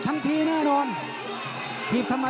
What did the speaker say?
ตามต่อยกที่๓ครับ